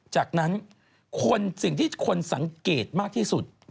จากนั้นคนสิ่งที่คนสังเกตมากที่สุด